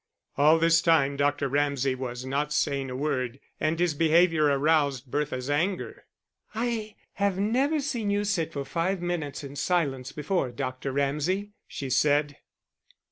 All this time Dr. Ramsay was not saying a word, and his behaviour aroused Bertha's anger. "I have never seen you sit for five minutes in silence before, Dr. Ramsay," she said.